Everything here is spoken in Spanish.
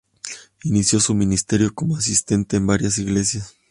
Inició su ministerio como asistente en varias iglesias.